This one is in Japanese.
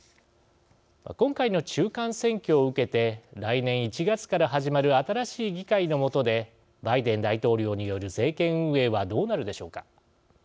今回の中間選挙を受けて来年１月から始まる新しい議会のもとでバイデン大統領による政権運営はどうなるでしょうか。